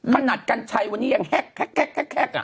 ขนัดกันชัยวันนี้ยังแห็ก